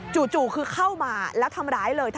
จู่คือเข้ามาแล้วทำร้ายเลย